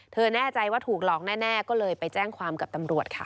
แน่ใจว่าถูกหลอกแน่ก็เลยไปแจ้งความกับตำรวจค่ะ